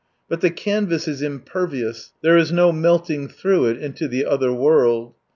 But the canvas is impervious, there is no melting through it into " the other world."